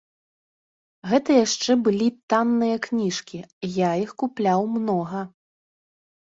Гэта яшчэ былі танныя кніжкі, я іх купляў многа.